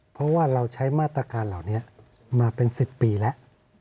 เพราะว่าเราใช้มาตรการเหล่านี้มาเป็น๑๐ปีแล้ว